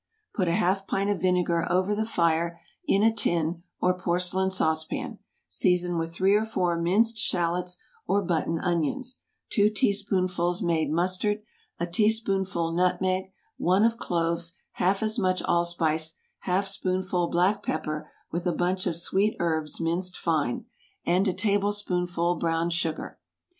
Put a half pint of vinegar over the fire in a tin or porcelain saucepan; season with three or four minced shallots or button onions, two teaspoonfuls made mustard, a teaspoonful nutmeg, one of cloves, half as much allspice, half spoonful black pepper, with a bunch of sweet herbs minced fine, and a tablespoonful brown sugar.